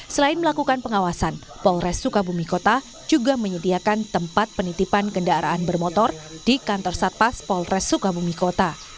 selain melakukan pengawasan polres sukabumi kota juga menyediakan tempat penitipan kendaraan bermotor di kantor satpas polres sukabumi kota